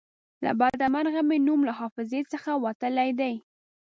له بده مرغه مې نوم له حافظې څخه وتلی دی.